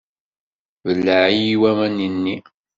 Belleε i waman-nni!